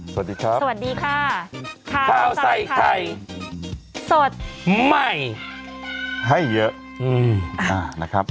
สวัสดีครับสวัสดีค่ะข้าวใส่ไข่สดใหม่ให้เยอะนะครับ